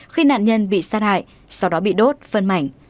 khi nạn nhân bị sát hại sau đó bị đốt phân mảnh